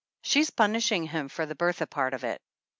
She's punishing him for the Bertha part of it.